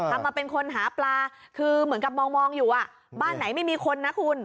ทำมาเป็นคนหาปลาคือเหมือนกับมองอยู่อ่ะบ้านไหนไม่มีคนนะคุณ